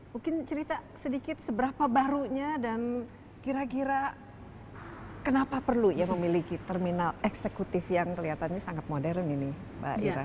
mungkin cerita sedikit seberapa barunya dan kira kira kenapa perlu ya memiliki terminal eksekutif yang kelihatannya sangat modern ini mbak ira